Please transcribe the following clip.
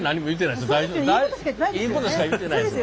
いいことしか言ってないです。